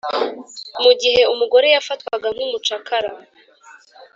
mu gihe umugore yafatwaga nk’umucakara